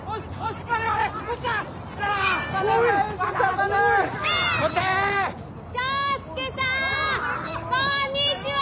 こんにちは！